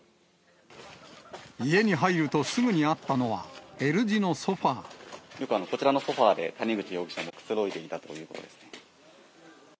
家に入るとすぐにあったのは、よくこちらのソファーで、谷口容疑者がくつろいでいたということです。